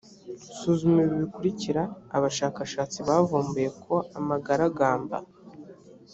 suzuma ibi bikurikira abashakashatsi bavumbuye ko amagaragamba